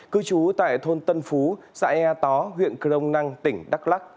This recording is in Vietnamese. cư trú tại thôn tân phú xã ea tó huyện crông năng tỉnh đắk lắc